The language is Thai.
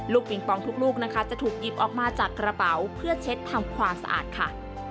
ปิงปองทุกลูกนะคะจะถูกหยิบออกมาจากกระเป๋าเพื่อเช็ดทำความสะอาดค่ะ